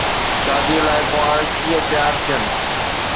شاديءَ لاءِ ڪنوار ڪيئن تيار ٿين؟